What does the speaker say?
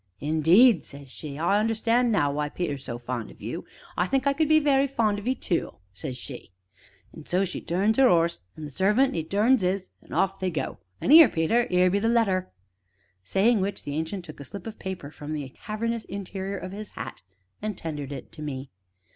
'Indeed!' says she,' I understand now why Peter is so fond of you. I think I could be very fond of 'ee tu!' says she. An' so she turns 'er 'orse, an' the servant 'e turns 'is an' off they go; an' 'ere, Peter 'ere be the letter." Saying which, the Ancient took a slip of paper from the cavernous interior of his hat and tendered it to me.